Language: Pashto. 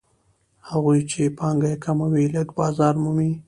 هغوی چې پانګه یې کمه وي لږ بازار مومي